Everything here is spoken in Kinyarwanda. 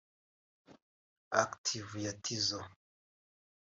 Active ya Tizzo